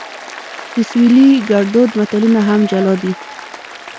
د سویلي ګړدود متلونه هم جلا دي